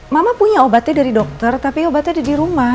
mama punya obatnya dari dokter tapi obatnya ada di rumah